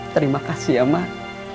terima kasih ya mak